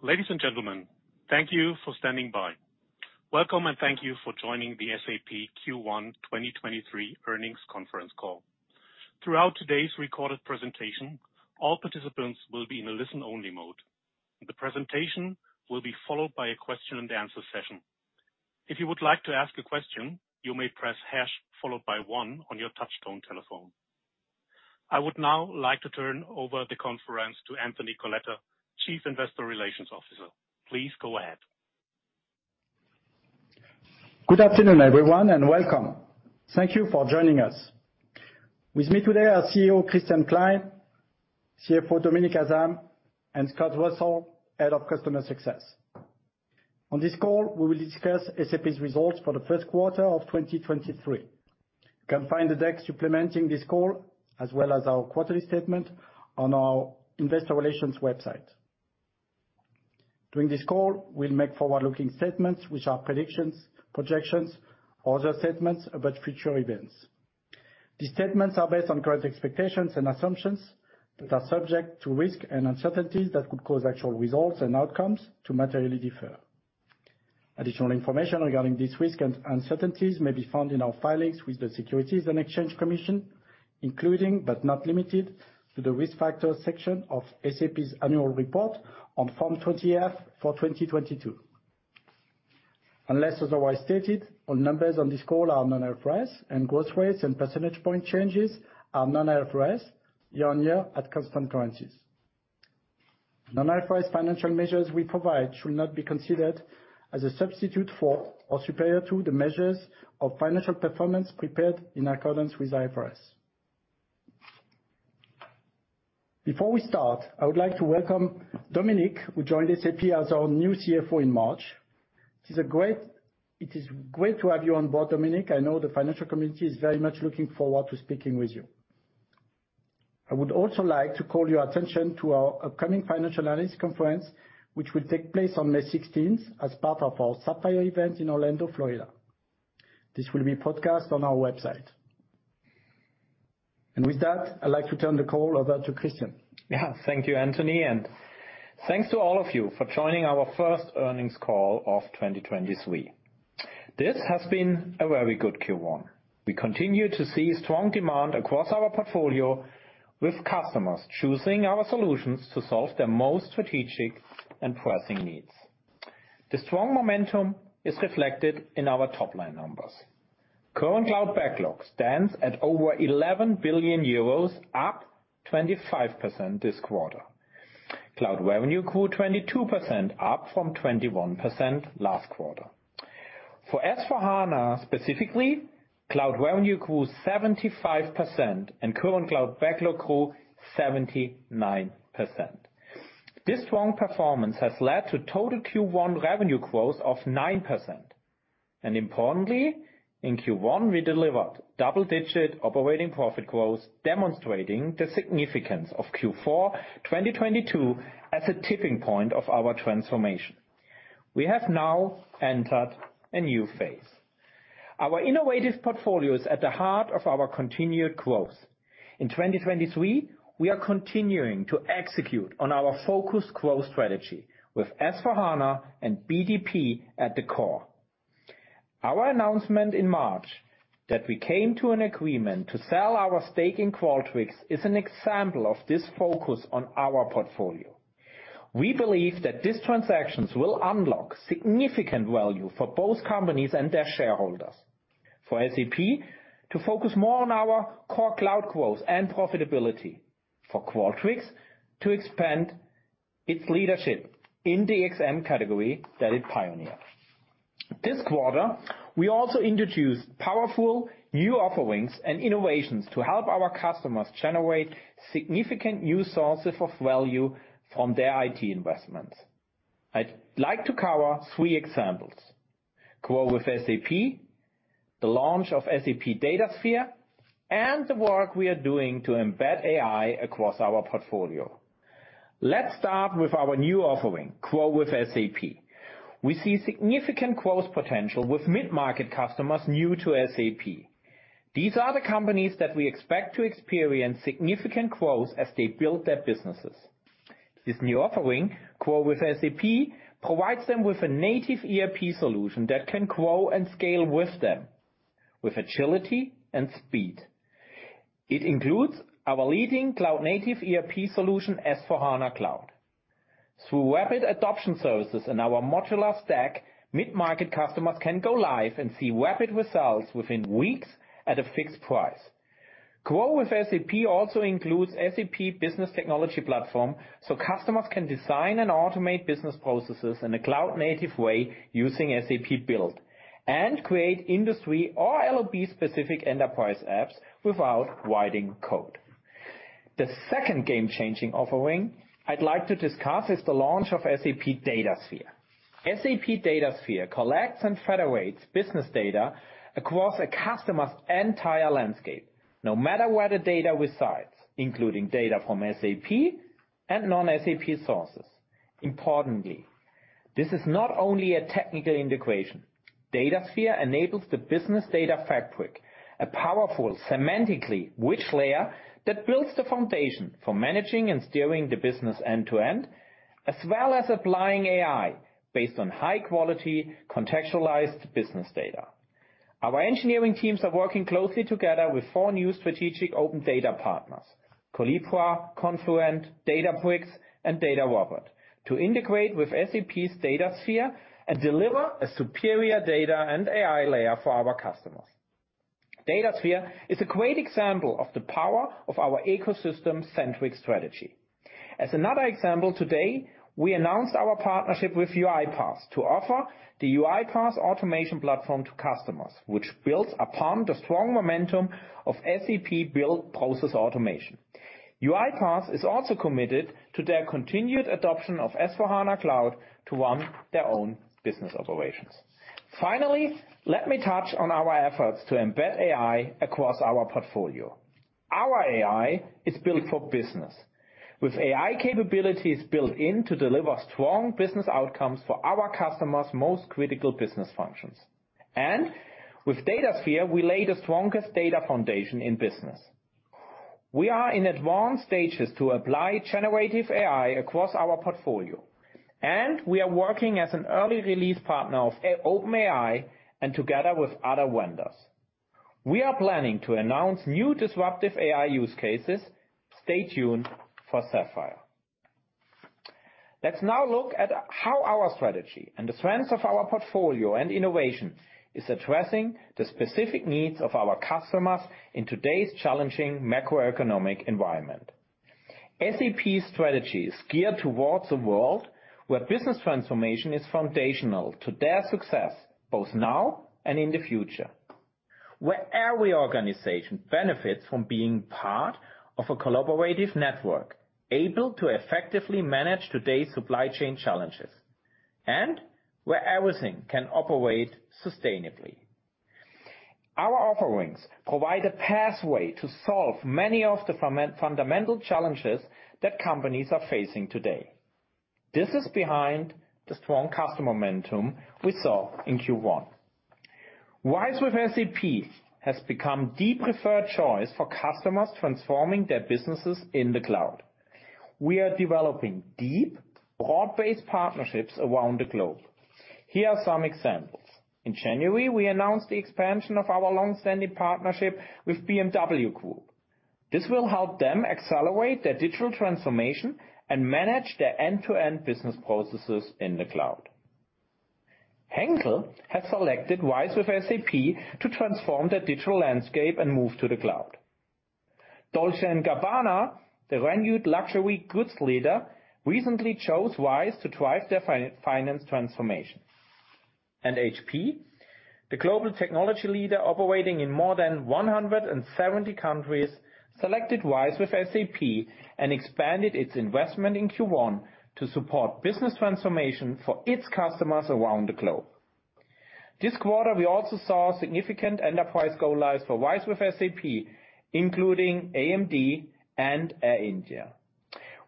Ladies and gentlemen, thank you for standing by. Welcome, and thank you for joining the SAP Q1 2023 Earnings Conference Call. Throughout today's recorded presentation, all participants will be in a listen-only mode. The presentation will be followed by a question-and-answer session. If you would like to ask a question, you may press hash followed by one on your touchtone telephone. I would now like to turn over the conference to Anthony Coletta, Chief Investor Relations Officer. Please go ahead. Good afternoon, everyone, and welcome. Thank you for joining us. With me today are CEO Christian Klein, CFO Dominik Asam, and Scott Russell, Head of Customer Success. On this call, we will discuss SAP's results for the first quarter of 2023. You can find the deck supplementing this call, as well as our quarterly statement on our investor relations website. During this call, we'll make forward-looking statements, which are predictions, projections, or other statements about future events. These statements are based on current expectations and assumptions that are subject to risk and uncertainties that could cause actual results and outcomes to materially differ. Additional information regarding these risks and uncertainties may be found in our filings with the Securities and Exchange Commission, including but not limited to the Risk Factors section of SAP's annual report on Form 20-F for 2022. Unless otherwise stated, all numbers on this call are non-IFRS, and growth rates and percentage point changes are non-IFRS year-on-year at constant currencies. Non-IFRS financial measures we provide should not be considered as a substitute for or superior to the measures of financial performance prepared in accordance with IFRS. Before we start, I would like to welcome Dominik, who joined SAP as our new CFO in March. It is great to have you on board, Dominik. I know the financial community is very much looking forward to speaking with you. I would also like to call your attention to our upcoming Financial Analyst Conference, which will take place on May 16th as part of our Sapphire event in Orlando, Florida. This will be podcast on our website. With that, I'd like to turn the call over to Christian. Thank you, Anthony. Thanks to all of you for joining our First Earnings Call of 2023. This has been a very good Q1. We continue to see strong demand across our portfolio, with customers choosing our solutions to solve their most strategic and pressing needs. The strong momentum is reflected in our top-line numbers. Current cloud backlog stands at over 11 billion euros, up 25% this quarter. Cloud revenue grew 22%, up from 21% last quarter. For S/4HANA specifically, cloud revenue grew 75% and current cloud backlog grew 79%. This strong performance has led to total Q1 revenue growth of 9%. Importantly, in Q1, we delivered double-digit operating profit growth, demonstrating the significance of Q4 2022 as a tipping point of our transformation. We have now entered a new phase. Our innovative portfolio is at the heart of our continued growth. In 2023, we are continuing to execute on our focused growth strategy with S/4HANA and SAP BTP at the core. Our announcement in March that we came to an agreement to sell our stake in Qualtrics is an example of this focus on our portfolio. We believe that these transactions will unlock significant value for both companies and their shareholders. For SAP, to focus more on our core cloud growth and profitability. For Qualtrics, to expand its leadership in the XM category that it pioneered. This quarter, we also introduced powerful new offerings and innovations to help our customers generate significant new sources of value from their IT investments. I'd like to cover three examples: GROW with SAP, the launch of SAP Datasphere, and the work we are doing to embed AI across our portfolio. Let's start with our new offering, GROW with SAP. We see significant growth potential with mid-market customers new to SAP. These are the companies that we expect to experience significant growth as they build their businesses. This new offering, GROW with SAP, provides them with a native ERP solution that can grow and scale with them with agility and speed. It includes our leading cloud-native ERP solution, S/4HANA Cloud. Through rapid adoption services in our modular stack, mid-market customers can go live and see rapid results within weeks at a fixed price. GROW with SAP also includes SAP Business Technology Platform, so customers can design and automate business processes in a cloud-native way using SAP Build and create industry or LOB-specific enterprise apps without writing code. The second game-changing offering I'd like to discuss is the launch of SAP Datasphere. SAP Datasphere collects and federates business data across a customer's entire landscape, no matter where the data resides, including data from SAP and non-SAP sources. Importantly, this is not only a technical integration. Datasphere enables the business data fabric, a powerful semantically rich layer that builds the foundation for managing and steering the business end-to-end, as well as applying AI based on high-quality contextualized business data. Our engineering teams are working closely together with four new strategic open data partners, Collibra, Confluent, Databricks and DataRobot, to integrate with SAP's Datasphere and deliver a superior data and AI layer for our customers. Datasphere is a great example of the power of our ecosystem-centric strategy. As another example today, we announced our partnership with to offer the UiPath automation platform to customers, which builds upon the strong momentum of SAP Build Process Automation. UiPath is also committed to their continued adoption of SAP S/4HANA Cloud to run their own business operations. Finally, let me touch on our efforts to embed AI across our portfolio. Our AI is built for business with AI capabilities built in to deliver strong business outcomes for our customers' most critical business functions. With SAP Datasphere, we lay the strongest data foundation in business. We are in advanced stages to apply generative AI across our portfolio, and we are working as an early release partner of OpenAI and together with other vendors. We are planning to announce new disruptive AI use cases. Stay tuned for SAP Sapphire. Let's now look at how our strategy and the strengths of our portfolio and innovation is addressing the specific needs of our customers in today's challenging macroeconomic environment. SAP strategy is geared towards a world where business transformation is foundational to their success, both now and in the future. Where every organization benefits from being part of a collaborative network able to effectively manage today's supply chain challenges, and where everything can operate sustainably. Our offerings provide a pathway to solve many of the fundamental challenges that companies are facing today. This is behind the strong customer momentum we saw in Q1. RISE with SAP has become the preferred choice for customers transforming their businesses in the cloud. We are developing deep, broad-based partnerships around the globe. Here are some examples. In January, we announced the expansion of our long-standing partnership with BMW Group. This will help them accelerate their digital transformation and manage their end-to-end business processes in the cloud. Henkel has selected RISE with SAP to transform their digital landscape and move to the cloud. Dolce & Gabbana, the renewed luxury goods leader, recently chose RISE to drive their finance transformation. HP, the global technology leader operating in more than 170 countries, selected RISE with SAP and expanded its investment in Q1 to support business transformation for its customers around the globe. This quarter, we also saw significant enterprise go-lives for RISE with SAP, including AMD and Air India.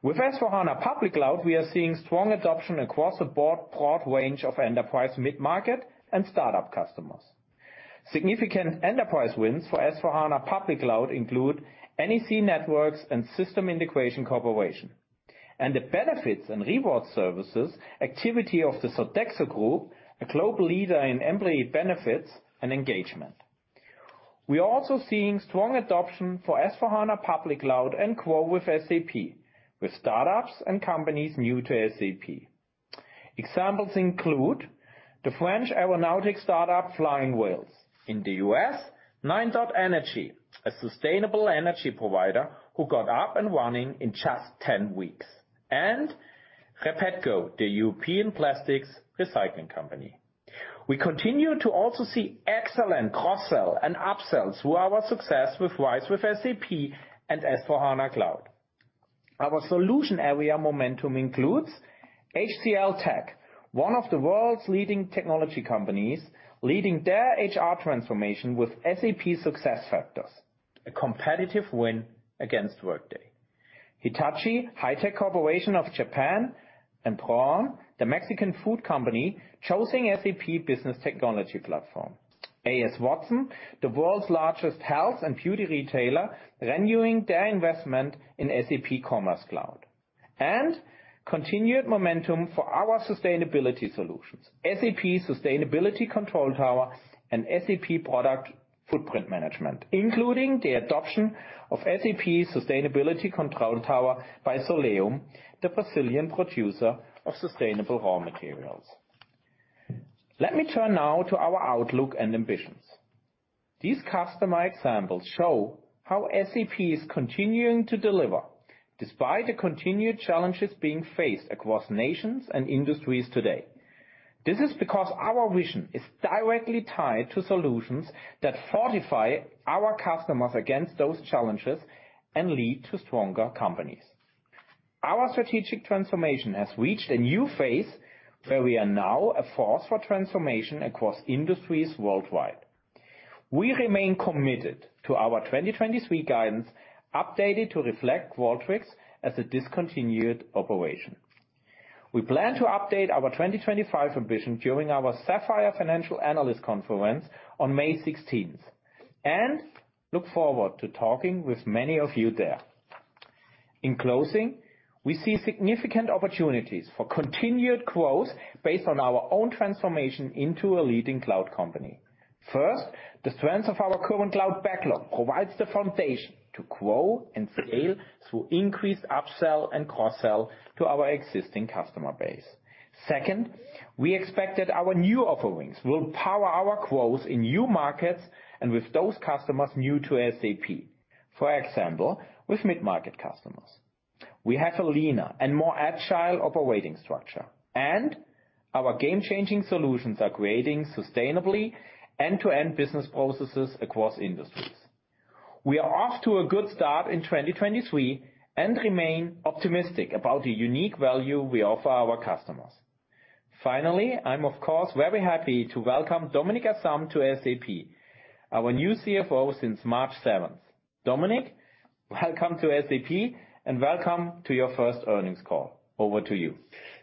With S/4HANA Public Cloud, we are seeing strong adoption across the board, broad range of enterprise mid-market and start-up customers. Significant enterprise wins for S/4HANA Public Cloud include NEC Networks & System Integration Corporation. The benefits and rewards services activity of the Sodexo Group, a global leader in employee benefits and engagement. We are also seeing strong adoption for S/4HANA Public Cloud and GROW with SAP, with startups and companies new to SAP. Examples include the French aeronautics startup, Flying Whales. In the U.S., NineDot Energy, a sustainable energy provider who got up and running in just 10 weeks. REPETCO, the European plastics recycling company. We continue to also see excellent cross-sell and upsells through our success with RISE with SAP and S/4HANA Cloud. Our solution area momentum includes HCLTech, one of the world's leading technology companies, leading their HR transformation with SAP SuccessFactors, a competitive win against Workday. Hitachi High-Tech Corporation of Japan, PROAN, the Mexican food company, choosing SAP Business Technology Platform. AS Watson, the world's largest health and beauty retailer, renewing their investment in SAP Commerce Cloud. Continued momentum for our sustainability solutions, SAP Sustainability Control Tower and SAP Product Footprint Management, including the adoption of SAP Sustainability Control Tower by S.Oleum, the Brazilian producer of sustainable raw materials. Let me turn now to our outlook and ambitions. These customer examples show how SAP is continuing to deliver despite the continued challenges being faced across nations and industries today. This is because our vision is directly tied to solutions that fortify our customers against those challenges and lead to stronger companies. Our strategic transformation has reached a new phase where we are now a force for transformation across industries worldwide. We remain committed to our 2023 guidance, updated to reflect Qualtrics as a discontinued operation. We plan to update our 2025 vision during our SAP Sapphire Financial Analyst Conference on May 16th, and look forward to talking with many of you there. In closing, we see significant opportunities for continued growth based on our own transformation into a leading cloud company. First, the strength of our current cloud backlog provides the foundation to grow and scale through increased upsell and cross-sell to our existing customer base. Second, we expect that our new offerings will power our growth in new markets and with those customers new to SAP. For example, with mid-market customers. We have a leaner and more agile operating structure, and our game-changing solutions are creating sustainable end-to-end business processes across industries. We are off to a good start in 2023 and remain optimistic about the unique value we offer our customers. Finally, I'm of course, very happy to welcome Dominik Asam to SAP, our new CFO since March 7th. Dominik, welcome to SAP and welcome to your first earnings call. Over to you.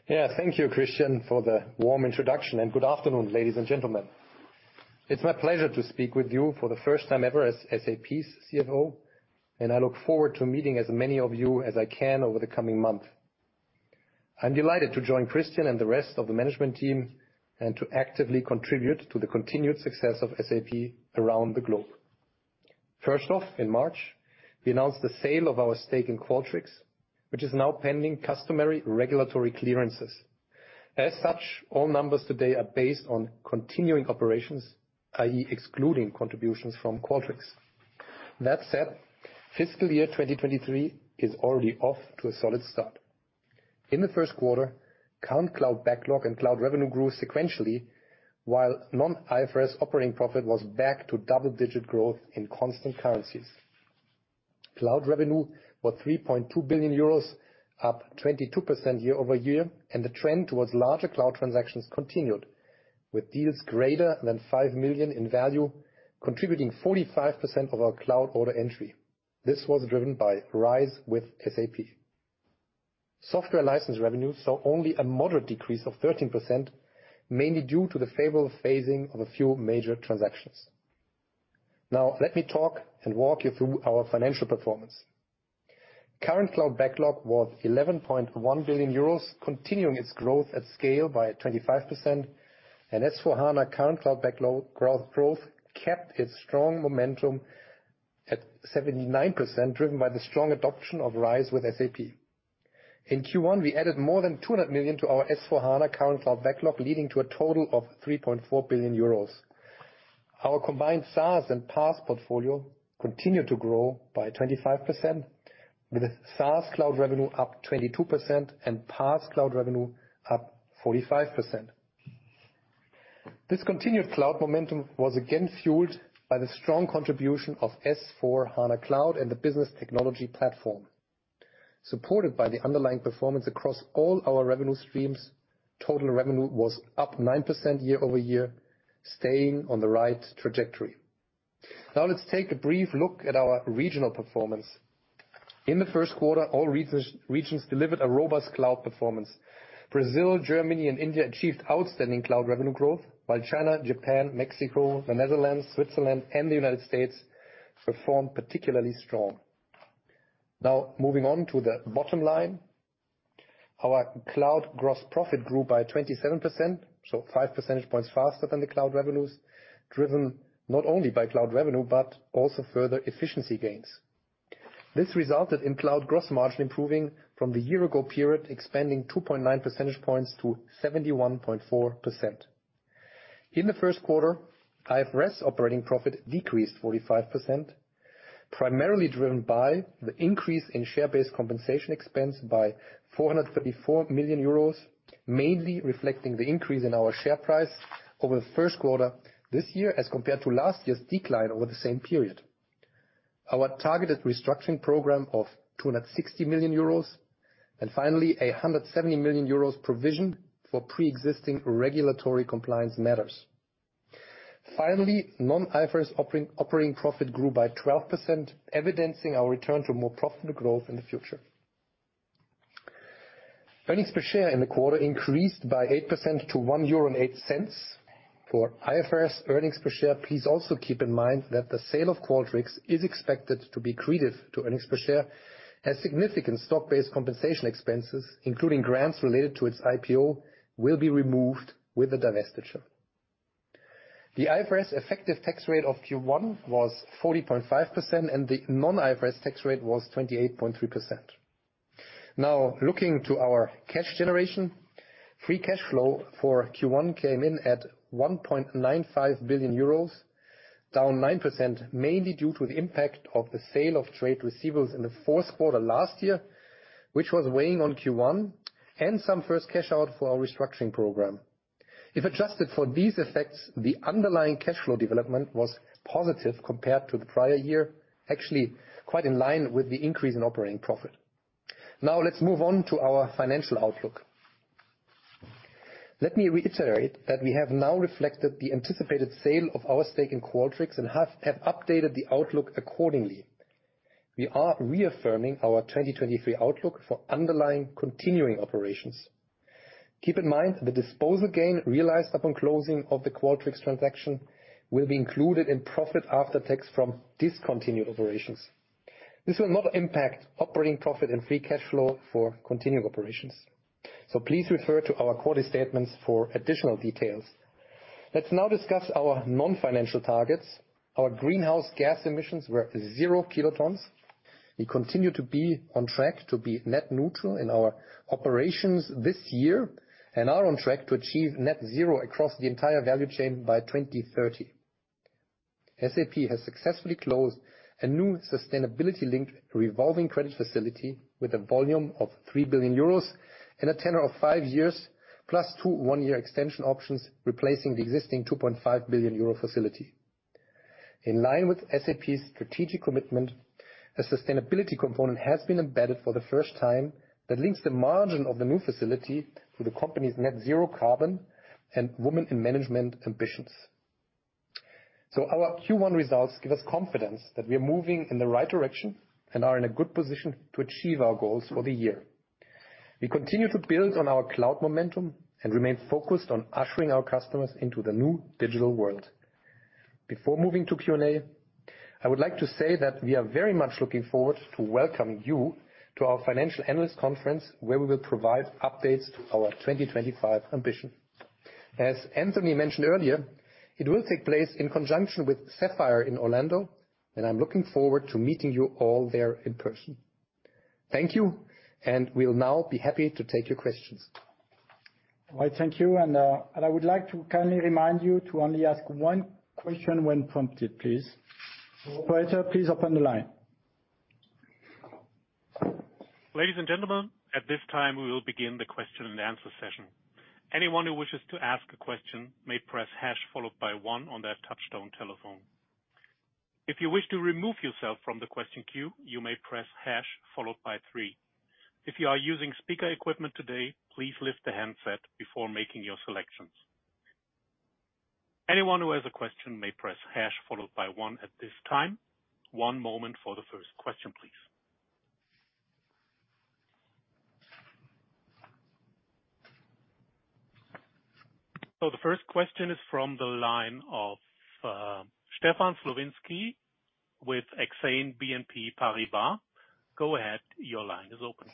Thank you, Christian, for the warm introduction, and good afternoon, ladies and gentlemen. It's my pleasure to speak with you for the first time ever as SAP's CFO, and I look forward to meeting as many of you as I can over the coming month. I'm delighted to join Christian and the rest of the management team and to actively contribute to the continued success of SAP around the globe. First off, in March, we announced the sale of our stake in Qualtrics, which is now pending customary regulatory clearances. As such, all numbers today are based on continuing operations, i.e. excluding contributions from Qualtrics. That said, fiscal year 2023 is already off to a solid start. In the first quarter, current cloud backlog and cloud revenue grew sequentially, while non-IFRS operating profit was back to double-digit growth in constant currencies. Cloud revenue was 3.2 billion euros, up 22% year-over-year. The trend towards larger cloud transactions continued, with deals greater than 5 million in value contributing 45% of our cloud order entry. This was driven by RISE with SAP. Software license revenue saw only a moderate decrease of 13%, mainly due to the favorable phasing of a few major transactions. Now, let me talk and walk you through our financial performance. Current cloud backlog was 11.1 billion euros, continuing its growth at scale by 25%. S/4HANA current cloud backlog growth kept its strong momentum at 79%, driven by the strong adoption of RISE with SAP. In Q1, we added more than 200 million to our S/4HANA current cloud backlog, leading to a total of 3.4 billion euros. Our combined SaaS and PaaS portfolio continued to grow by 25%, with SaaS cloud revenue up 22% and PaaS cloud revenue up 45%. This continued cloud momentum was again fueled by the strong contribution of S/4HANA Cloud and the Business Technology Platform. Supported by the underlying performance across all our revenue streams, total revenue was up 9% year-over-year, staying on the right trajectory. Let's take a brief look at our regional performance. In the first quarter, all regions delivered a robust cloud performance. Brazil, Germany, and India achieved outstanding cloud revenue growth, while China, Japan, Mexico, the Netherlands, Switzerland, and the United States performed particularly strong. Moving on to the bottom line. Our cloud gross profit grew by 27%, 5 percentage points faster than the cloud revenues, driven not only by cloud revenue, but also further efficiency gains. This resulted in cloud gross margin improving from the year ago period, expanding 2.9 percentage points to 71.4%. In the first quarter, IFRS operating profit decreased 45%, primarily driven by the increase in share-based compensation expense by 434 million euros, mainly reflecting the increase in our share price over the first quarter this year as compared to last year's decline over the same period. Our targeted restructuring program of 260 million euros, and finally, 170 million euros provisioned for pre-existing regulatory compliance matters. Finally, non-IFRS operating profit grew by 12%, evidencing our return to more profitable growth in the future. Earnings per share in the quarter increased by 8% to 1.08 euro. For IFRS earnings per share, please also keep in mind that the sale of Qualtrics is expected to be accretive to earnings per share as significant stock-based compensation expenses, including grants related to its IPO, will be removed with the divestiture. The IFRS effective tax rate of Q1 was 40.5%, and the non-IFRS tax rate was 28.3%. Looking to our cash generation. Free cash flow for Q1 came in at 1.95 billion euros, down 9%, mainly due to the impact of the sale of trade receivables in the fourth quarter last year, which was weighing on Q1, and some first cash out for our restructuring program. If adjusted for these effects, the underlying cash flow development was positive compared to the prior year, actually quite in line with the increase in operating profit. Let me reiterate that we have now reflected the anticipated sale of our stake in Qualtrics and have updated the outlook accordingly. We are reaffirming our 2023 outlook for underlying continuing operations. Keep in mind, the disposal gain realized upon closing of the Qualtrics transaction will be included in profit after tax from discontinued operations. This will not impact operating profit and free cash flow for continuing operations. Please refer to our quarterly statements for additional details. Let's now discuss our non-financial targets. Our greenhouse gas emissions were 0 kilotons. We continue to be on track to be net neutral in our operations this year and are on track to achieve net zero across the entire value chain by 2030. SAP has successfully closed a new sustainability-linked revolving credit facility with a volume of 3 billion euros and a tenure of 5 years, +2 one-year extension options, replacing the existing 2.5 billion euro facility. In line with SAP's strategic commitment, a sustainability component has been embedded for the first time that links the margin of the new facility to the company's net-zero carbon and women in management ambitions. Our Q1 results give us confidence that we are moving in the right direction and are in a good position to achieve our goals for the year. We continue to build on our cloud momentum and remain focused on ushering our customers into the new digital world. Before moving to Q&A, I would like to say that we are very much looking forward to welcome you to our Financial Analyst Conference, where we will provide updates to our 2025 ambition. As Anthony mentioned earlier, it will take place in conjunction with SAP Sapphire in Orlando, and I'm looking forward to meeting you all there in person. Thank you, and we'll now be happy to take your questions. All right, thank you. I would like to kindly remind you to only ask one question when prompted, please. Operator, please open the line. Ladies and gentlemen, at this time, we will begin the question-and-answer session. Anyone who wishes to ask a question may press hash followed by one on their touchtone telephone. If you wish to remove yourself from the question queue, you may press hash followed by three. If you are using speaker equipment today, please lift the handset before making your selections. Anyone who has a question may press hash followed by one at this time. One moment for the first question, please. The first question is from the line of Stefan Slowinski with Exane BNP Paribas. Go ahead. Your line is open.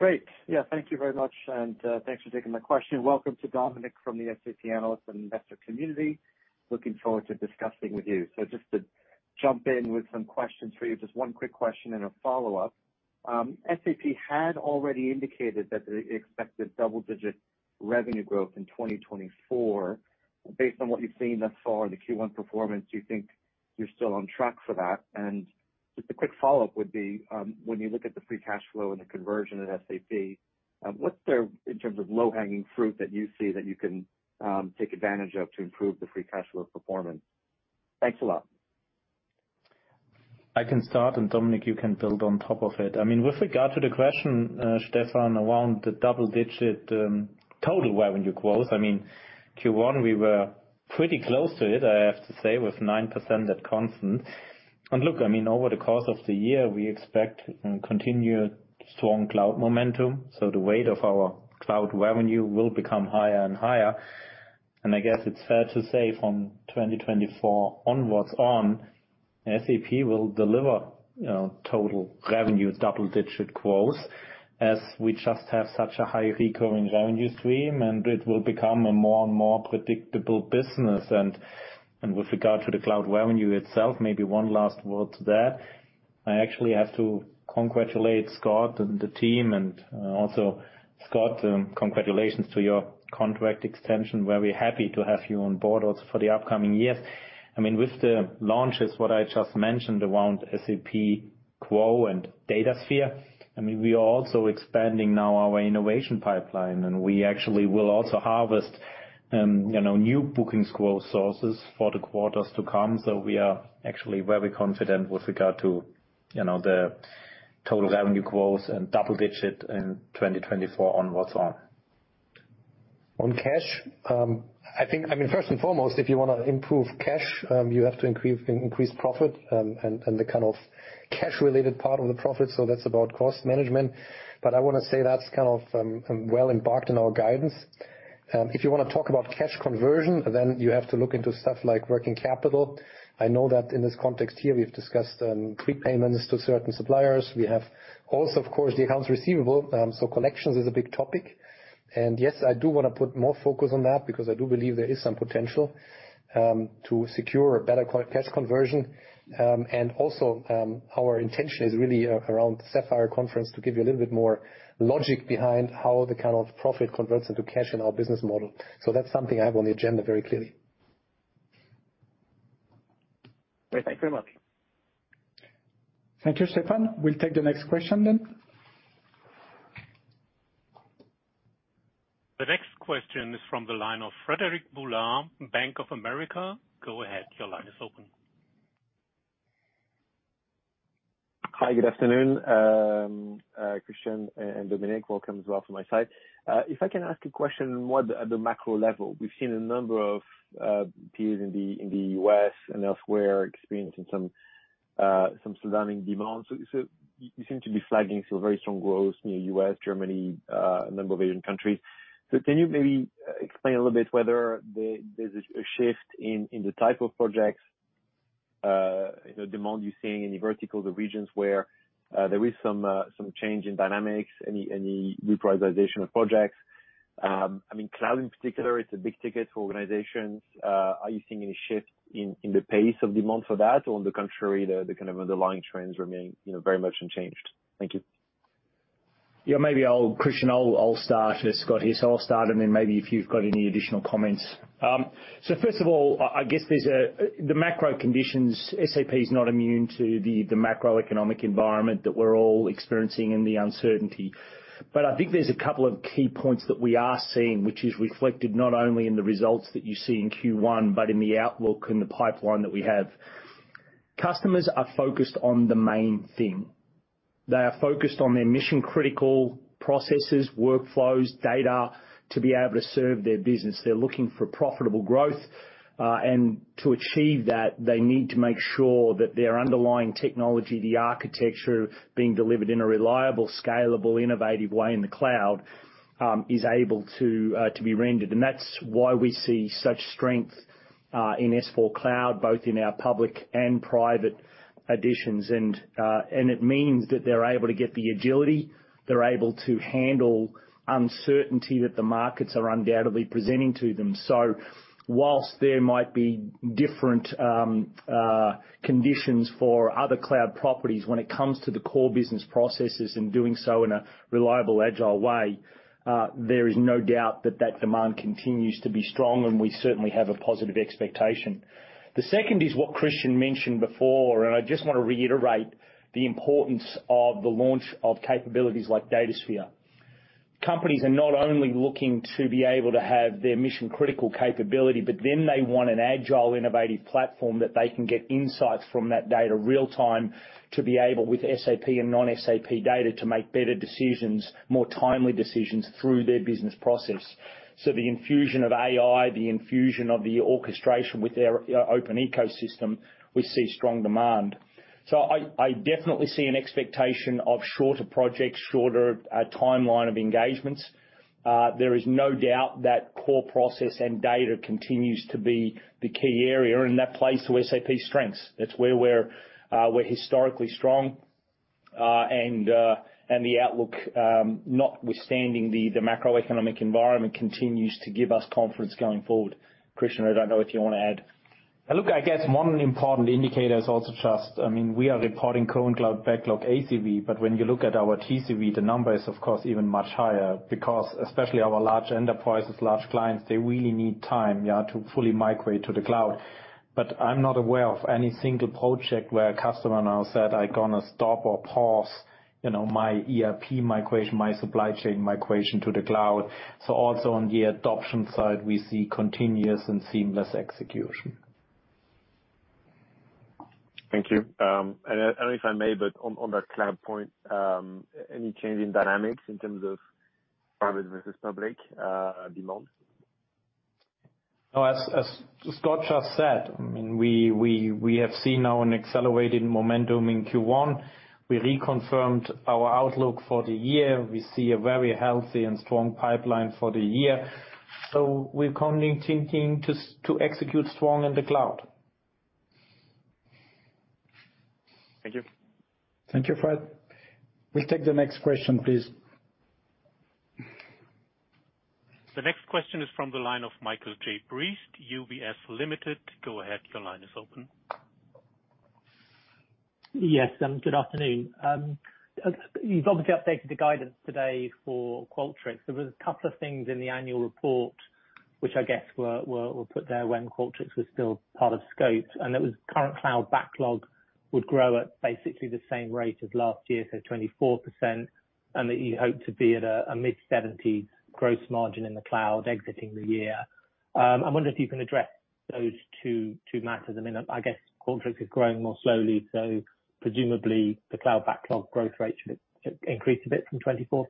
Great. Thank you very much, and thanks for taking my question. Welcome to Dominik from the SAP Analyst and Investor community. Looking forward to discussing with you. Just to jump in with some questions for you, just one quick question and a follow-up. SAP had already indicated that it expected double-digit revenue growth in 2024. Based on what you've seen thus far in the Q1 performance, do you think you're still on track for that? Just a quick follow-up would be, when you look at the free cash flow and the conversion at SAP, what's there in terms of low-hanging fruit that you see that you can take advantage of to improve the free cash flow performance? Thanks a lot. I can start. Dominik, you can build on top of it. I mean, with regard to the question, Stefan, around the double-digit, total revenue growth, I mean, Q1, we were pretty close to it, I have to say, with 9% at constant. Look, over the course of the year, we expect continued strong cloud momentum, so the weight of our cloud revenue will become higher and higher. I guess it's fair to say from 2024 onwards on, SAP will deliver total revenue double-digit growth, as we just have such a high recurring revenue stream, and it will become a more and more predictable business. With regard to the cloud revenue itself, maybe one last word to that. I actually have to congratulate Scott and the team, also Scott, congratulations to your contract extension. Very happy to have you on board also for the upcoming years. I mean, with the launches, what I just mentioned around SAP Fiori and SAP Datasphere, I mean, we are also expanding now our innovation pipeline, and we actually will also harvest, you know, new bookings growth sources for the quarters to come. We are actually very confident with regard to, you know, the total revenue growth and double digit in 2024 onwards on. On cash, I think, I mean, first and foremost, if you wanna improve cash, you have to increase profit, and the kind of cash related part of the profit. That's about cost management. I wanna say that's kind of, well embarked in our guidance. If you want to talk about cash conversion, then you have to look into stuff like working capital. I know that in this context here, we've discussed prepayments to certain suppliers. We have also, of course, the accounts receivable. Collections is a big topic. Yes, I do wanna put more focus on that because I do believe there is some potential to secure a better cash conversion. Also, our intention is really around Sapphire Conference to give you a little bit more logic behind how the kind of profit converts into cash in our business model. That's something I have on the agenda very clearly. Great. Thanks very much. Thank you, Stefan. We'll take the next question then. The next question is from the line of Frederic Boulan, Bank of America. Go ahead, your line is open. Hi, good afternoon, Christian and Dominik. Welcome as well to my side. If I can ask a question, more at the macro level. We've seen a number of peers in the U.S. and elsewhere experiencing some slowdown in demand. You seem to be flagging some very strong growth near U.S., Germany, a number of Asian countries. Can you maybe explain a little bit whether there's a shift in the type of projects, you know, demand you're seeing in the verticals or regions where there is some change in dynamics, any repricing of projects? I mean, cloud in particular, it's a big ticket for organizations. Are you seeing any shift in the pace of demand for that? On the contrary, the kind of underlying trends remain, you know, very much unchanged. Thank you. Maybe Christian, I'll start. Scott, yes, I'll start, maybe if you've got any additional comments. First of all, I guess the macro conditions, SAP is not immune to the macroeconomic environment that we're all experiencing and the uncertainty. I think there's a couple of key points that we are seeing, which is reflected not only in the results that you see in Q1, but in the outlook and the pipeline that we have. Customers are focused on the main thing. They are focused on their mission-critical processes, workflows, data to be able to serve their business. They're looking for profitable growth, to achieve that, they need to make sure that their underlying technology, the architecture being delivered in a reliable, scalable, innovative way in the cloud, is able to be rendered. That's why we see such strength in S/4 Cloud, both in our public and private editions. It means that they're able to get the agility, they're able to handle uncertainty that the markets are undoubtedly presenting to them. Whilst there might be different conditions for other cloud properties, when it comes to the core business processes and doing so in a reliable, agile way, there is no doubt that that demand continues to be strong, and we certainly have a positive expectation. The second is what Christian mentioned before, and I just want to reiterate the importance of the launch of capabilities like Datasphere. Companies are not only looking to be able to have their mission-critical capability, but then they want an agile, innovative platform that they can get insights from that data real time to be able, with SAP and non-SAP data, to make better decisions, more timely decisions through their business process. The infusion of AI, the infusion of the orchestration with their open ecosystem, we see strong demand. I definitely see an expectation of shorter projects, shorter timeline of engagements. There is no doubt that core process and data continues to be the key area, and that plays to SAP's strengths. That's where we're historically strong, and the outlook, notwithstanding the macroeconomic environment, continues to give us confidence going forward. Christian, I don't know if you want to add. I guess one important indicator is also just, I mean, we are reporting current cloud backlog ACV. When you look at our TCV, the number is of course even much higher. Especially our large enterprises, large clients, they really need time to fully migrate to the cloud. I'm not aware of any single project where a customer now said, "I'm gonna stop or pause, you know, my ERP migration, my supply chain migration to the cloud." Also on the adoption side, we see continuous and seamless execution. Thank you. If I may, but on that cloud point, any change in dynamics in terms of private versus public, demand? As Scott just said, I mean, we have seen now an accelerated momentum in Q1. We reconfirmed our outlook for the year. We see a very healthy and strong pipeline for the year. We're continuing to execute strong in the cloud. Thank you. Thank you, Fred. We'll take the next question, please. The next question is from the line of Michael Briest, UBS Limited. Go ahead, your line is open. Yes, good afternoon. You've obviously updated the guidance today for Qualtrics. There was a couple of things in the annual report which I guess were put there when Qualtrics was still part of scope, and it was current cloud backlog would grow at basically the same rate as last year, so 24%, and that you hope to be at a mid-70s gross margin in the cloud exiting the year. I wonder if you can address those two matters. I mean, I guess Qualtrics is growing more slowly, so presumably the cloud backlog growth rate should increase a bit from 24%.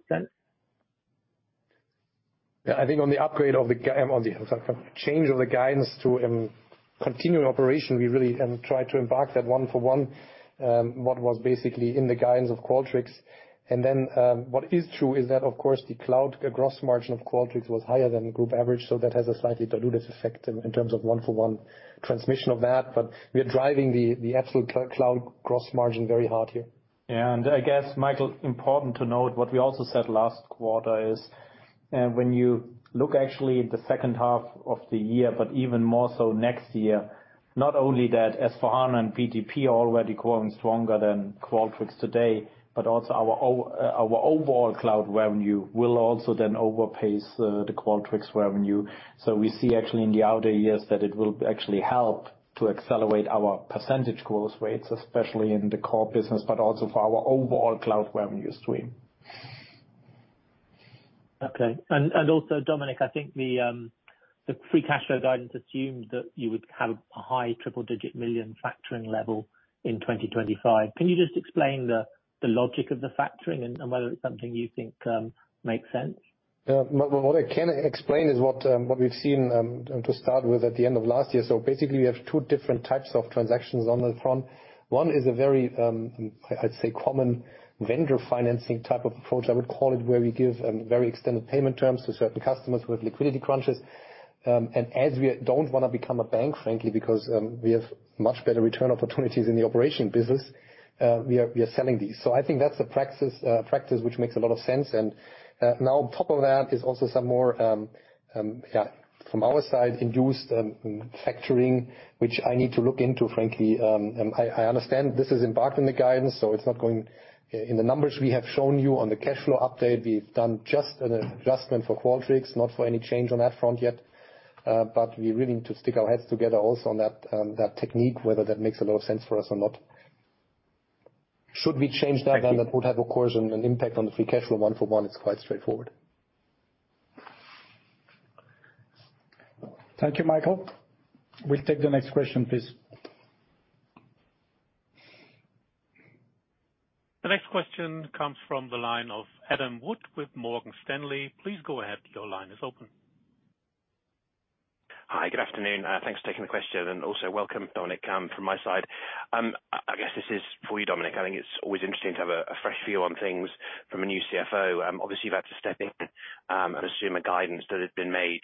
On the change of the guidance to continuing operation, we really try to embark that one for one, what was basically in the guidance of Qualtrics. What is true is that of course, the cloud gross margin of Qualtrics was higher than group average, so that has a slightly dilutive effect in terms of one-for-one transmission of that. We are driving the absolute cloud gross margin very hard here. Michael, important to note what we also said last quarter is, when you look actually the second half of the year, but even more so next year, not only that S/4HANA and BTP are already growing stronger than Qualtrics today, but also our overall cloud revenue will also then overpace the Qualtrics revenue. We see actually in the outer years that it will actually help to accelerate our percentage growth rates, especially in the core business, but also for our overall cloud revenue stream. Okay. Also Dominik, I think the free cash flow guidance assumes that you would have a high triple-digit million factoring level in 2025. Can you just explain the logic of the factoring and whether it's something you think, makes sense? YeaWhat I can explain is what we've seen to start with at the end of last year. Basically we have two different types of transactions on the front. One is a very, I'd say common vendor financing type of approach, I would call it, where we give very extended payment terms to certain customers who have liquidity crunches. As we don't wanna become a bank, frankly, because we have much better return opportunities in the operation business, we are selling these. I think that's a practice which makes a lot of sense. Now on top of that is also some more from our side, induced factoring, which I need to look into, frankly. I understand this is embarked in the guidance, so it's not going in the numbers we have shown you on the cash flow update. We've done just an adjustment for Qualtrics, not for any change on that front yet. We really need to stick our heads together also on that technique, whether that makes a lot of sense for us or not. Should we change that then that would have, of course, an impact on the free cash flow one for one. It's quite straightforward. Thank you, Michael. We'll take the next question, please. The next question comes from the line of Adam Wood with Morgan Stanley. Please go ahead. Your line is open. Hi, good afternoon. Thanks for taking the question, and also welcome, Dominik, from my side. I guess this is for you, Dominik. I think it's always interesting to have a fresh view on things from a new CFO. Obviously you've had to step in and assume a guidance that has been made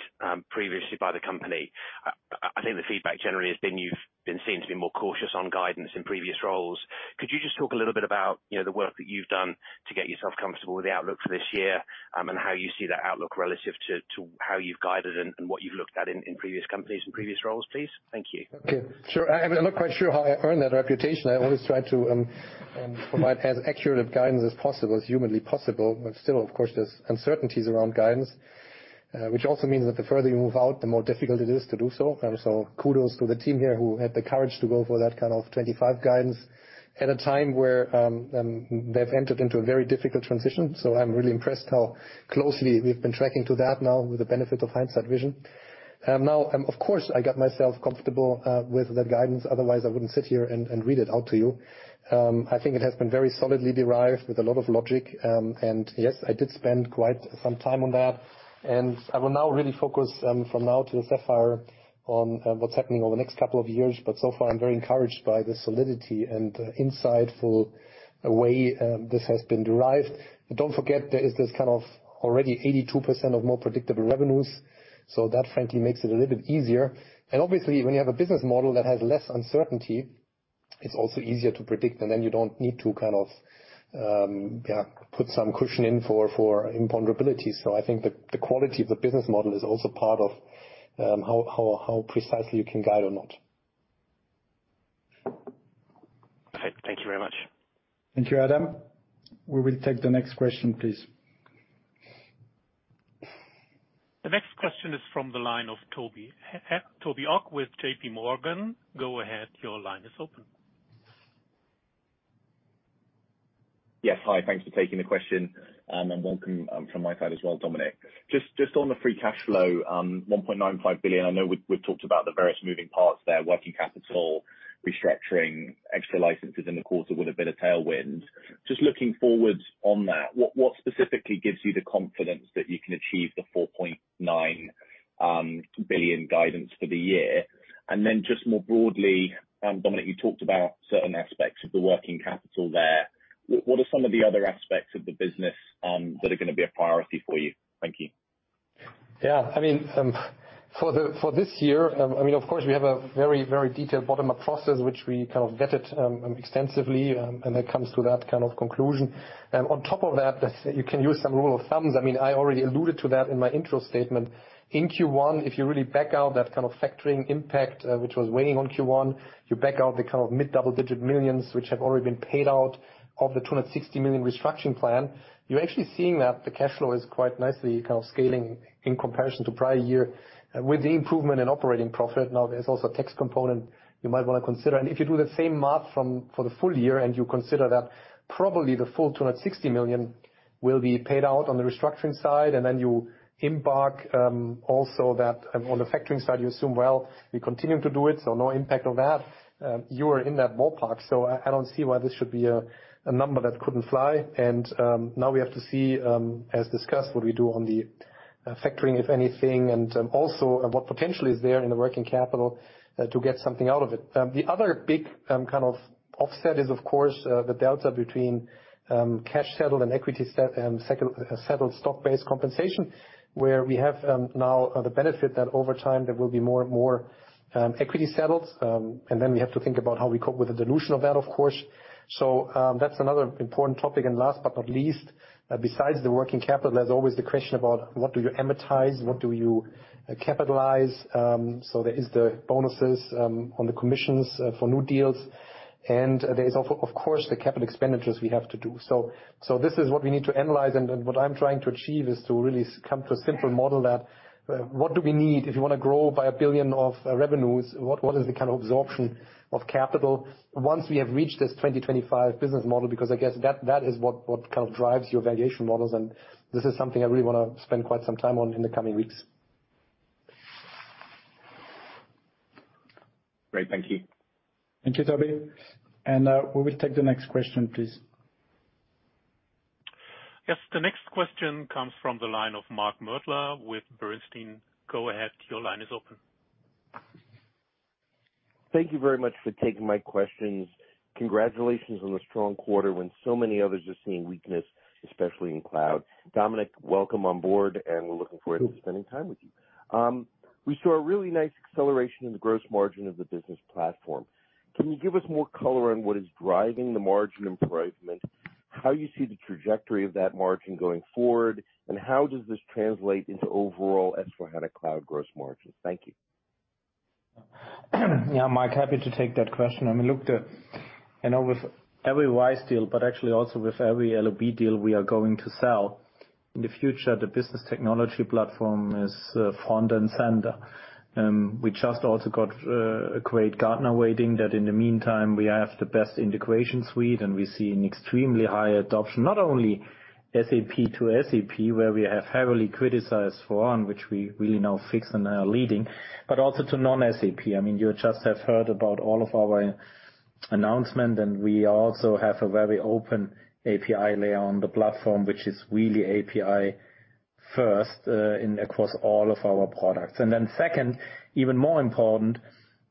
previously by the company. I think the feedback generally has been you've been seen to be more cautious on guidance in previous roles. Could you just talk a little bit about, you know, the work that you've done to get yourself comfortable with the outlook for this year, and how you see that outlook relative to how you've guided and what you've looked at in previous companies and previous roles, please? Thank you. Okay. Sure. I'm not quite sure how I earned that reputation. I always try to provide as accurate guidance as possible, as humanly possible. Still, of course, there's uncertainties around guidance, which also means that the further you move out, the more difficult it is to do so. Kudos to the team here who had the courage to go for that kind of 25 guidance at a time where they've entered into a very difficult transition. I'm really impressed how closely we've been tracking to that now with the benefit of hindsight vision. Of course, I got myself comfortable with the guidance, otherwise I wouldn't sit here and read it out to you. I think it has been very solidly derived with a lot of logic. Yes, I did spend quite some time on that. I will now really focus from now till Sapphire on what's happening over the next couple of years. So far, I'm very encouraged by the solidity and insightful way this has been derived. Don't forget, there is this kind of already 82% of more predictable revenues. That frankly makes it a little bit easier. Obviously, when you have a business model that has less uncertainty, it's also easier to predict, and then you don't need to kind of put some cushion in for imponderability. I think the quality of the business model is also part of how precisely you can guide or not. Okay. Thank you very much. Thank you, Adam. We will take the next question, please. The next question is from the line of Toby. Toby Ogg with JPMorgan. Go ahead. Your line is open. Yes. Hi. Thanks for taking the question. Welcome from my side as well, Dominik. Just on the free cash flow, 1.95 billion, I know we've talked about the various moving parts there, working capital, restructuring, extra licenses in the quarter with a bit of tailwinds. Just looking forward on that, what specifically gives you the confidence that you can achieve the 4.9 billion guidance for the year? Just more broadly, Dominik, you talked about certain aspects of the working capital there. What are some of the other aspects of the business that are gonna be a priority for you? Thank you. For this year, of course, we have a very, very detailed bottom-up process, which we vet it extensively. It comes to that conclusion. On top of that, let's say you can use some rule of thumbs. I already alluded to that in my intro statement. In Q1, if you really back out that factoring impact, which was weighing on Q1, you back out the mid-double-digit millions, which have already been paid out of the 260 million restructuring plan. You're actually seeing that the cash flow is quite nicely scaling in comparison to prior year. With the improvement in operating profit, now there's also a tax component you might wanna consider. If you do the same math for the full year, and you consider that probably the full 260 million will be paid out on the restructuring side, and then you embark also that on the factoring side, you assume, well, we continue to do it, so no impact on that, you are in that ballpark. I don't see why this should be a number that couldn't fly. Now we have to see, as discussed, what we do on the factoring, if anything, and also what potential is there in the working capital to get something out of it. The other big offset is, of course, the delta between, cash-settled and equity-settled stock-based compensation, where we have, now, the benefit that over time there will be more and more, equity-settled. Then we have to think about how we cope with the dilution of that, of course. That's another important topic. Last but not least, besides the working capital, there's always the question about what do you amortize, what do you capitalize? There is the bonuses, on the commissions, for new deals. There's of course, the capital expenditures we have to do. This is what we need to analyze, and what I'm trying to achieve is to really come to a simple model that, what do we need if you wanna grow by 1 billion of revenues? What is the kind of absorption of capital once we have reached this 2025 business model? I guess that is what kind of drives your valuation models, and this is something I really wanna spend quite some time on in the coming weeks. Great. Thank you. Thank you, Toby. We will take the next question, please. Yes, the next question comes from the line of Mark Moerdler with Bernstein. Go ahead, your line is open. Thank you very much for taking my questions. Congratulations on the strong quarter when so many others are seeing weakness, especially in cloud. Dominik, welcome on board. We're looking forward to spending time with you. We saw a really nice acceleration in the gross margin of the business platform. Can you give us more color on what is driving the margin improvement, how you see the trajectory of that margin going forward, and how does this translate into overall S/4HANA Cloud gross margins? Thank you. Mark, happy to take that question. I mean, look, you know, with every RISE deal, but actually also with every LOB deal we are going to sell. In the future, the Business Technology Platform is front and center. We just also got a great Gartner rating that in the meantime, we have the best integration suite, and we see an extremely high adoption, not only SAP to SAP, where we have heavily criticized for on which we really now fix and are leading, but also to non-SAP. I mean, you just have heard about all of our announcement, and we also have a very open API layer on the platform, which is really API first in across all of our products. Second, even more important,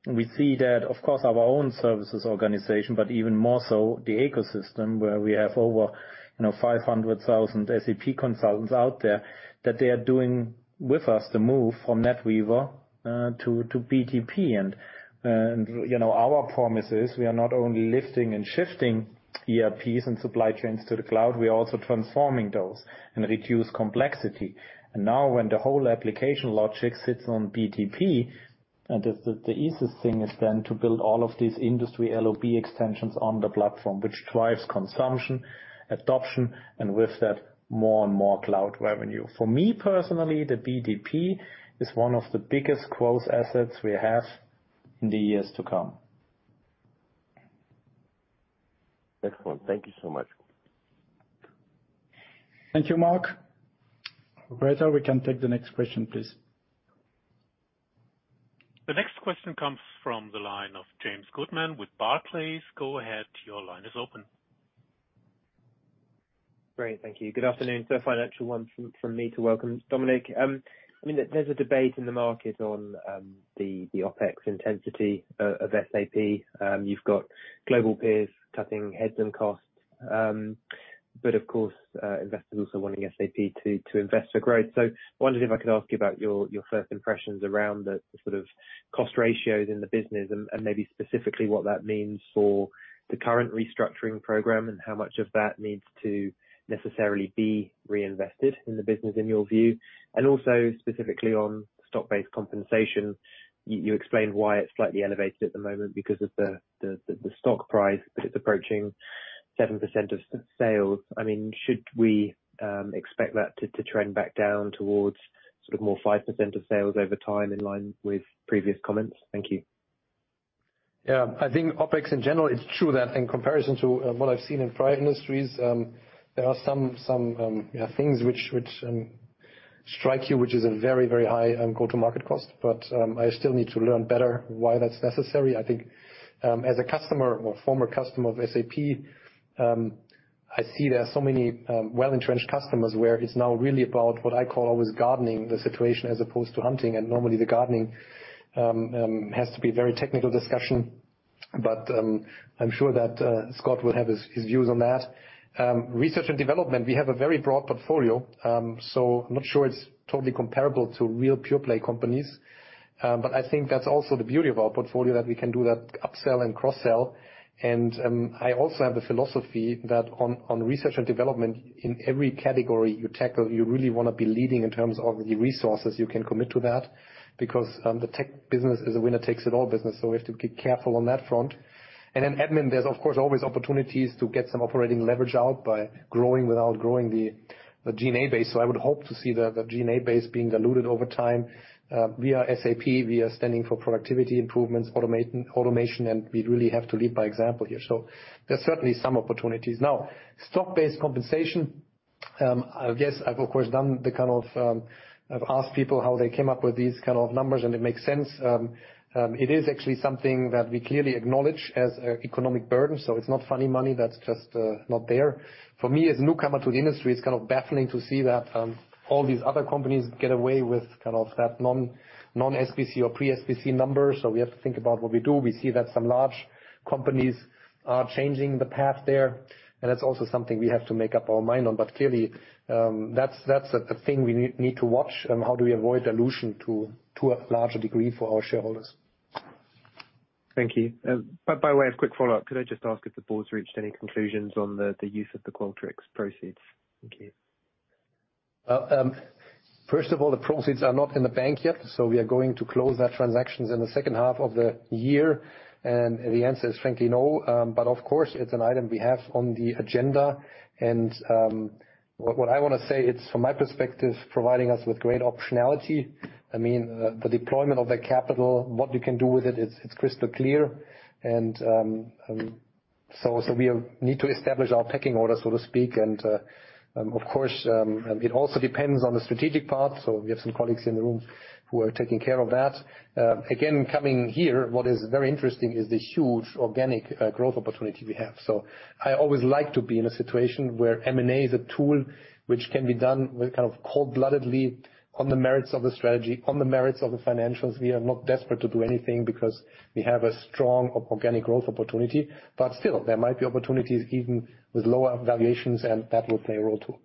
we see that, of course, our own services organization, but even more so the ecosystem, where we have over, you know, 500,000 SAP consultants out there, that they are doing with us to move from NetWeaver to BTP. You know, our promise is we are not only lifting and shifting ERPs and supply chains to the cloud, we are also transforming those and reduce complexity. Now when the whole application logic sits on BTP, and the easiest thing is then to build all of these industry LOB extensions on the platform, which drives consumption, adoption, and with that more and more cloud revenue. For me, personally, the BTP is one of the biggest growth assets we have in the years to come. Excellent. Thank you so much. Thank you, Mark. Operator, we can take the next question, please. The next question comes from the line of James Goodman with Barclays. Go ahead, your line is open. Great. Thank you. Good afternoon. A financial one from me to welcome Dominik. I mean, there's a debate in the market on the OpEx intensity of SAP. You've got global peers cutting heads and costs, but of course, investors also wanting SAP to invest for growth. I wondered if I could ask you about your first impressions around the sort of cost ratios in the business and maybe specifically what that means for the current restructuring program and how much of that needs to necessarily be reinvested in the business in your view. Also specifically on stock-based compensation. You explained why it's slightly elevated at the moment because of the stock price, but it's approaching 7% of sales. I mean, should we, expect that to trend back down towards sort of more 5% of sales over time in line with previous comments? Thank you. OpEx in general, it's true that in comparison to what I've seen in prior industries, there are some things which strike you, which is a very, very high go-to-market cost. But I still need to learn better why that's necessary. I think as a customer or former customer of SAP, I see there are so many well-entrenched customers where it's now really about what I call always gardening the situation as opposed to hunting. And normally the gardening has to be very technical discussion, but I'm sure that Scott will have his views on that. Research and development, we have a very broad portfolio, so I'm not sure it's totally comparable to real pure play companies. I think that's also the beauty of our portfolio, that we can do that upsell and cross-sell. I also have a philosophy that on research and development, in every category you tackle, you really wanna be leading in terms of the resources you can commit to that because the tech business is a winner takes it all business, so we have to be careful on that front. Then admin, there's of course, always opportunities to get some operating leverage out by growing without growing the G&A base. I would hope to see the G&A base being diluted over time. We are SAP, we are standing for productivity improvements, automation, and we really have to lead by example here. There's certainly some opportunities. Stock-based compensation, I guess I've of course done the kind of, I've asked people how they came up with these kind of numbers, and it makes sense. It is actually something that we clearly acknowledge as a economic burden, so it's not funny money that's just not there. For me, as a newcomer to the industry, it's kind of baffling to see that all these other companies get away with kind of that non-SBC or pre-SBC numbers. We have to think about what we do. We see that some large companies are changing the path there, and that's also something we have to make up our mind on. clearly, that's a thing we need to watch and how do we avoid dilution to a larger degree for our shareholders. Thank you. by way of quick follow-up, could I just ask if the board's reached any conclusions on the use of the Qualtrics proceeds? Thank you. First of all, the proceeds are not in the bank yet. We are going to close that transactions in the second half of the year. The answer is frankly, no. Of course, it's an item we have on the agenda. What I wanna say, it's from my perspective, providing us with great optionality. I mean, the deployment of the capital, what you can do with it's crystal clear. We need to establish our pecking order, so to speak. Of course, it also depends on the strategic part. We have some colleagues in the room who are taking care of that. Coming here, what is very interesting is the huge organic growth opportunity we have. I always like to be in a situation where M&A is a tool which can be done with kind of cold-bloodedly on the merits of the strategy, on the merits of the financials. We are not desperate to do anything because we have a strong organic growth opportunity. Still, there might be opportunities even with lower valuations, and that will play a role too.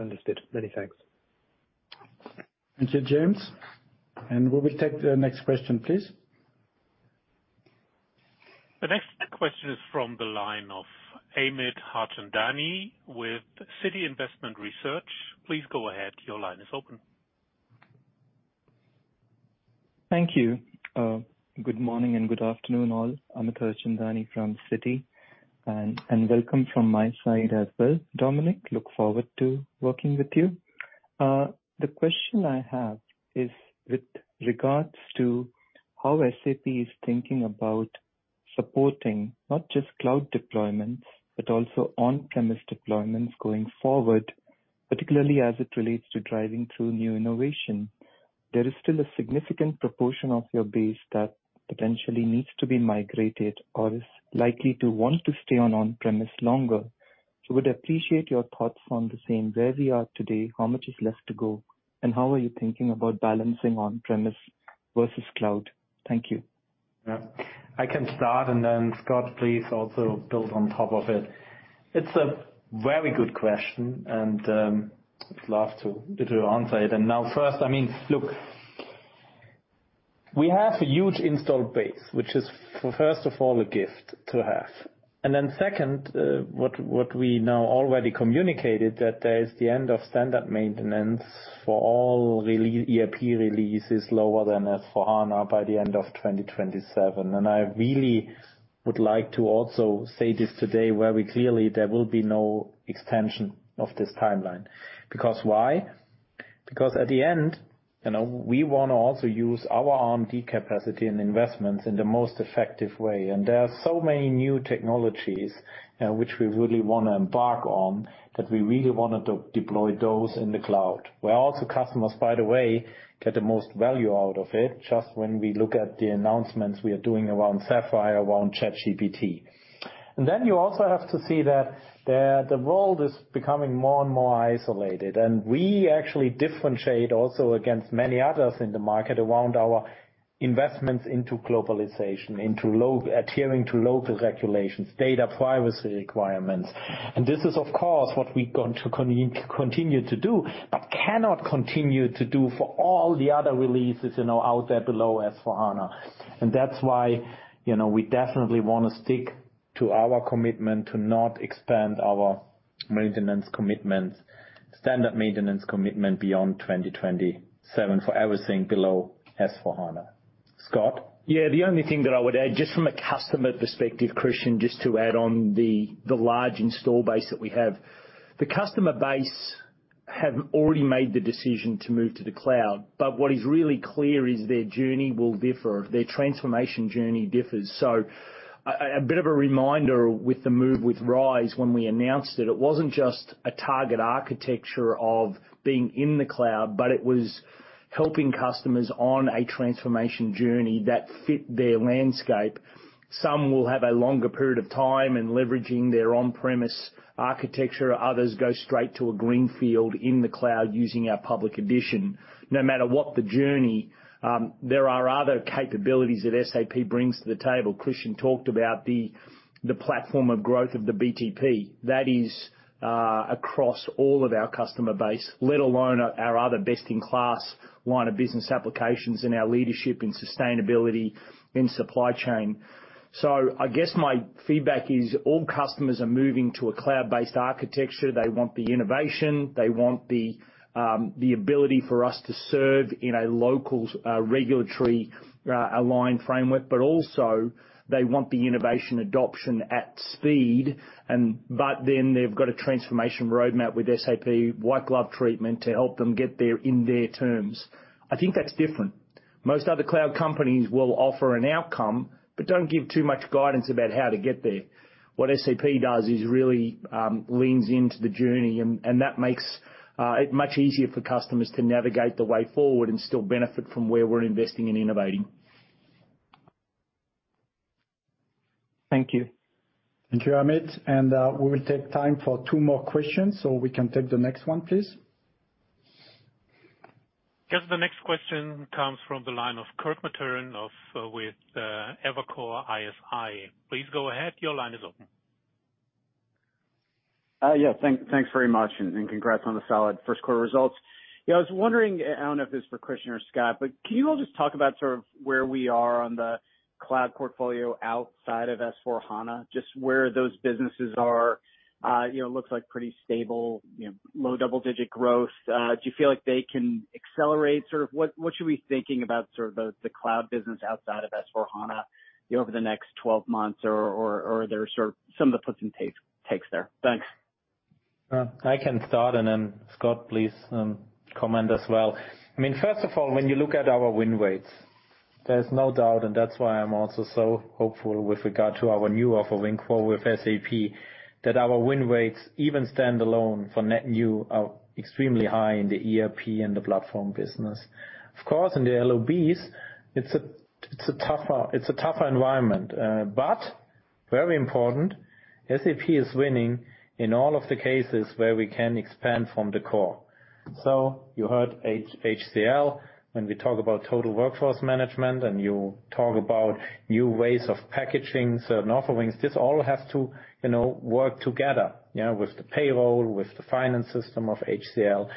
Understood. Many thanks. Thank you, James. We will take the next question, please. The next question is from the line of Amit Harchandani with Citi Investment Research. Please go ahead. Your line is open. Thank you. Good morning and good afternoon all. Amit Harchandani from Citi. Welcome from my side as well, Dominik. Look forward to working with you. The question I have is with regards to how SAP is thinking about supporting not just cloud deployments, but also on-premise deployments going forward, particularly as it relates to driving through new innovation. There is still a significant proportion of your base that potentially needs to be migrated or is likely to want to stay on on-premise longer. Would appreciate your thoughts on the same, where we are today, how much is left to go, and how are you thinking about balancing on-premise versus cloud? Thank you. I can start. Scott, please also build on top of it. It's a very good question, and love to answer it. Now first, I mean, look, we have a huge installed base, which is first of all, a gift to have. Second, what we now already communicated, that there is the end of standard maintenance for all ERP releases lower than S/4HANA by the end of 2027. I really would like to also say this today, where we clearly there will be no extension of this timeline. Because why? At the end, you know, we wanna also use our R&D capacity and investments in the most effective way. There are so many new technologies which we really wanna embark on, that we really wanna deploy those in the cloud, where also customers, by the way, get the most value out of it, just when we look at the announcements we are doing around SAP Sapphire, around ChatGPT. Then you also have to see that the world is becoming more and more isolated, and we actually differentiate also against many others in the market around our investments into globalization, into adhering to local regulations, data privacy requirements. This is of course, what we're going to continue to do, but cannot continue to do for all the other releases, you know, out there below S/4HANA. That's why, you know, we definitely wanna stick to our commitment to not expand our maintenance commitments, standard maintenance commitment beyond 2027 for everything below S/4HANA. Scott? The only thing that I would add, just from a customer perspective, Christian, just to add on the large install base that we have. The customer base have already made the decision to move to the cloud, what is really clear is their journey will differ. Their transformation journey differs. A bit of a reminder with the move with RISE when we announced it wasn't just a target architecture of being in the cloud, but it was helping customers on a transformation journey that fit their landscape. Some will have a longer period of time in leveraging their on-premise architecture, others go straight to a green field in the cloud using our Public Edition. No matter what the journey, there are other capabilities that SAP brings to the table. Christian talked about the platform of growth of the BTP. That is across all of our customer base, let alone our other best-in-class line of business applications and our leadership in sustainability in supply chain. I guess my feedback is all customers are moving to a cloud-based architecture. They want the innovation. They want the ability for us to serve in a local regulatory aligned framework, but also they want the innovation adoption at speed, but then they've got a transformation roadmap with SAP white glove treatment to help them get there in their terms. I think that's different. Most other cloud companies will offer an outcome but don't give too much guidance about how to get there. What SAP does is really leans into the journey and that makes it much easier for customers to navigate the way forward and still benefit from where we're investing and innovating. Thank you. Thank you, Amit. We will take time for two more questions, so we can take the next one, please. Guess the next question comes from the line of Kirk Materne with Evercore ISI. Please go ahead. Your line is open. Thanks very much and congrats on the solid first quarter results. I was wondering, I don't know if this is for Christian or Scott, but can you all just talk about sort of where we are on the cloud portfolio outside of S/4HANA, just where those businesses are? Looks like pretty stable low double-digit growth. Do you feel like they can accelerate? Sort of what should we be thinking about the cloud business outside of S/4HANA, you know, over the next 12 months or are there sort of some of the puts and takes there? Thanks. I can start, and then Scott, please comment as well. I mean, first of all, when you look at our win rates, there's no doubt, and that's why I'm also so hopeful with regard to our new offering for with SAP, that our win rates even stand alone for net new are extremely high in the ERP and the platform business. Of course, in the LOBs, it's a tougher environment. But very important, SAP is winning in all of the cases where we can expand from the core. So you heard HCL, when we talk about total workforce management, and you talk about new ways of packaging certain offerings, this all has to, you know, work together, you know, with the payroll, with the finance system of HCL.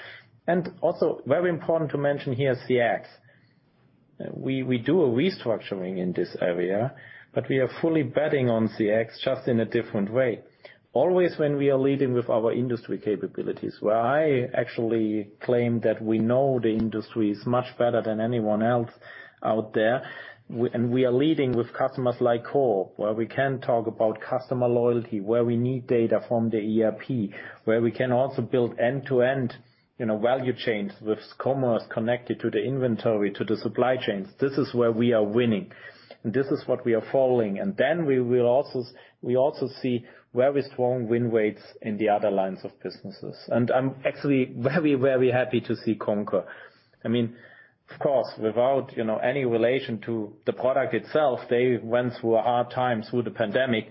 Also very important to mention here, CX. We do a restructuring in this area, we are fully betting on CX just in a different way. Always, when we are leading with our industry capabilities, where I actually claim that we know the industries much better than anyone else out there. We are leading with customers like Core, where we can talk about customer loyalty, where we need data from the ERP, where we can also build end-to-end, you know, value chains with commerce connected to the inventory, to the supply chains. This is where we are winning. This is what we are following. We will also see very strong win rates in the other lines of businesses. I'm actually very, very happy to see Concur. I mean, of course, without, you know, any relation to the product itself, they went through a hard time through the pandemic,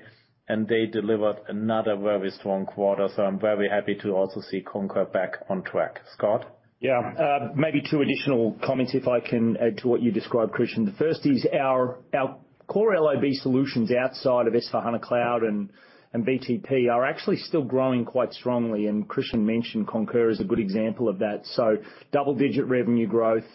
and they delivered another very strong quarter. I'm very happy to also see Concur back on track. Scott? Maybe two additional comments, if I can add to what you described, Christian. The first is our core LOB solutions outside of S/4HANA Cloud and BTP are actually still growing quite strongly, and Christian mentioned Concur is a good example of that. Double-digit revenue growth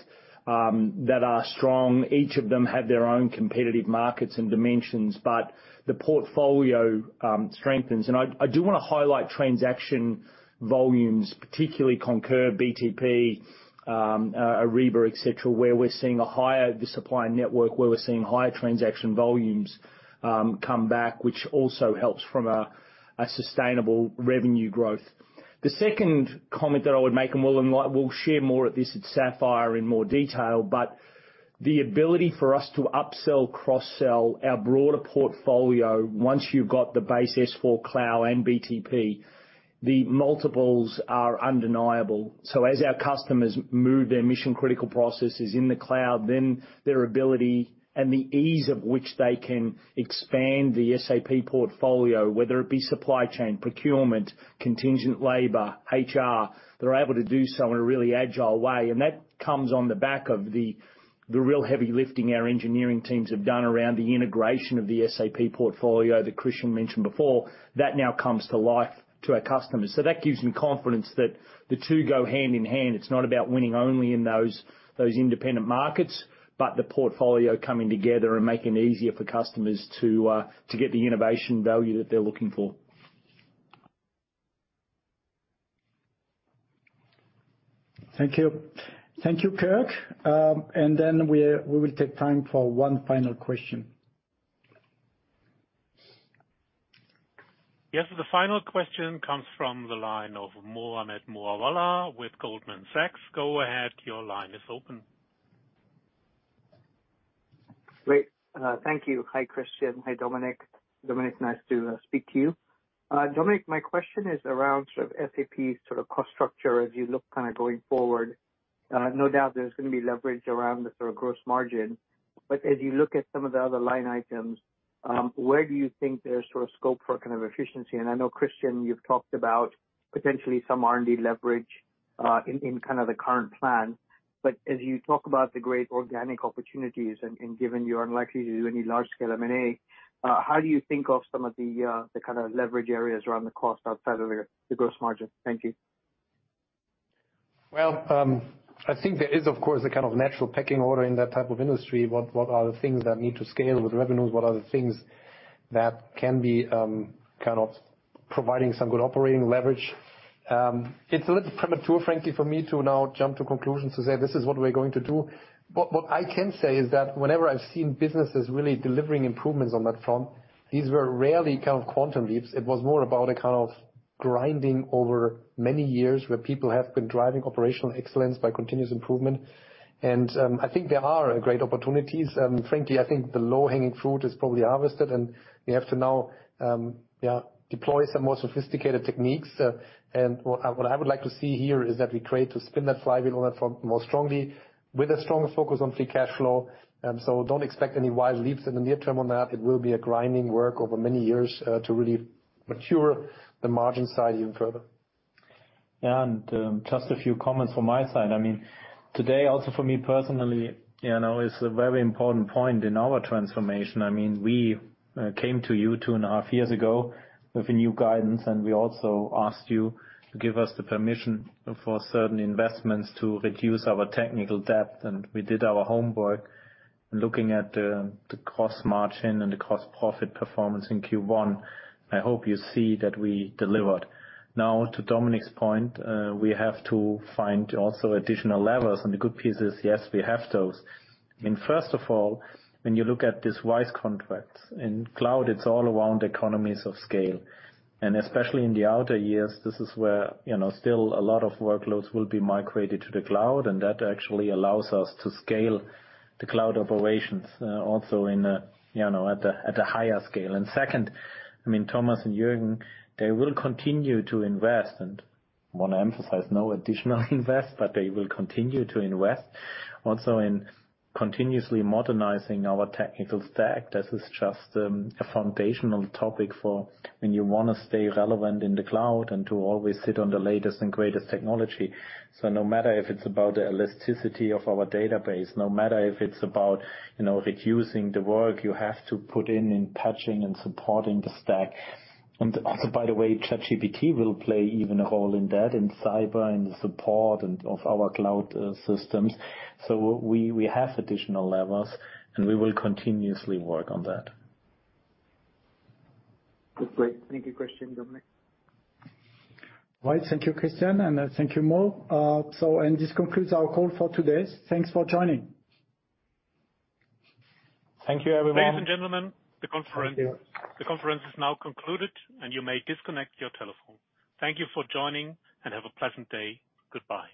that are strong. Each of them have their own competitive markets and dimensions, but the portfolio strengthens. I do wanna highlight transaction volumes, particularly Concur, BTP, Ariba, et cetera, where we're seeing the supply network, where we're seeing higher transaction volumes come back, which also helps from a sustainable revenue growth. The second comment that I would make, we'll share more at Sapphire in more detail, but the ability for us to upsell, cross-sell our broader portfolio once you've got the base S/4 Cloud and BTP, the multiples are undeniable. As our customers move their mission-critical processes in the cloud, then their ability and the ease of which they can expand the SAP portfolio, whether it be supply chain, procurement, contingent labor, HR, they're able to do so in a really agile way. That comes on the back of the real heavy lifting our engineering teams have done around the integration of the SAP portfolio that Christian mentioned before. That now comes to life to our customers. That gives me confidence that the two go hand in hand. It's not about winning only in those independent markets, but the portfolio coming together and making it easier for customers to get the innovation value that they're looking for. Thank you. Thank you, Kirk. Then we will take time for one final question. Yes, the final question comes from the line of Mohammed Moawalla with Goldman Sachs. Go ahead, your line is open. Great. Thank you. Hi, Christian. Hi, Dominik. Dominik, nice to speak to you. Dominik, my question is around sort of SAP's sort of cost structure as you look kind of going forward. No doubt there's going to be leverage around the sort of gross margin. As you look at some of the other line items, where do you think there's sort of scope for kind of efficiency? I know, Christian, you've talked about potentially some R&D leverage in kind of the current plan. As you talk about the great organic opportunities and, given you're unlikely to do any large scale M&A, how do you think of some of the kind of leverage areas around the cost outside of the gross margin? Thank you. Well, I think there is of course, a kind of natural pecking order in that type of industry. What are the things that need to scale with revenues? What are the things that can be, kind of providing some good operating leverage? It's a little premature, frankly, for me to now jump to conclusions to say, "This is what we're going to do." What I can say is that whenever I've seen businesses really delivering improvements on that front, these were rarely kind of quantum leaps. It was more about a kind of grinding over many years where people have been driving operational excellence by continuous improvement. I think there are great opportunities. Frankly, I think the low-hanging fruit is probably harvested, and we have to now deploy some more sophisticated techniques. What I would like to see here is that we create to spin that flywheel on that front more strongly with a strong focus on free cash flow. Don't expect any wide leaps in the near term on that. It will be a grinding work over many years to really mature the margin side even further. Just a few comments from my side. I mean, today also for me personally, you know, is a very important point in our transformation. I mean, we came to you two and a half years ago with a new guidance. We also asked you to give us the permission for certain investments to reduce our technical debt, and we did our homework. Looking at the cost margin and the cost profit performance in Q1, I hope you see that we delivered. Now, to Dominik's point, we have to find also additional levers. The good piece is, yes, we have those. First of all, when you look at these RISE contracts, in cloud, it's all around economies of scale. Especially in the outer years, this is where, you know, still a lot of workloads will be migrated to the cloud, and that actually allows us to scale the cloud operations, also in a, you know, at a higher scale. Second, I mean, Thomas and Juergen, they will continue to invest and wanna emphasize no additional invest, but they will continue to invest also in continuously modernizing our technical stack. This is just a foundational topic for when you wanna stay relevant in the cloud and to always sit on the latest and greatest technology. No matter if it's about the elasticity of our database, no matter if it's about, you know, reducing the work you have to put in in patching and supporting the stack. Also, by the way, ChatGPT will play even a role in that, in cyber, in the support and of our cloud systems. We have additional levers, and we will continuously work on that. That's great. Thank you, Christian, Dominik. All right. Thank you, Christian, and thank you, Mo. This concludes our call for today. Thanks for joining. The conference is now concluded, and you may disconnect your telephone. Thank you for joining, and have a pleasant day. Goodbye.